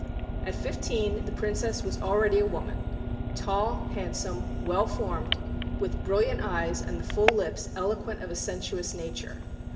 At fifteen the princess was already a woman tall, handsome, well formed, with brilliant eyes and the full lips eloquent of a sensuous nature.